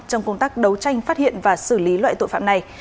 trong công tác đấu tranh phát hiện và xử lý loại tội phạm này